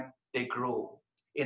mentor yang lebih baik